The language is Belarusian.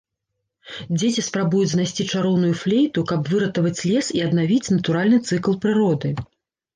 Дзеці спрабуюць знайсці чароўную флейту, каб выратаваць лес і аднавіць натуральны цыкл прыроды.